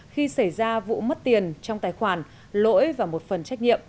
khi xảy ra vụ mất tiền trong tài khoản lỗi và một phần trách nhiệm